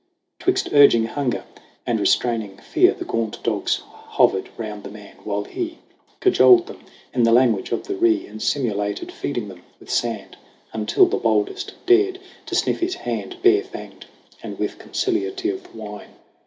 'Twixt urging hunger and restraining fear The gaunt dogs hovered round the man; while he Cajoled them in the language of the Ree And simulated feeding them with sand, Until the boldest dared to sniff his hand, Bare fanged and with conciliative whine.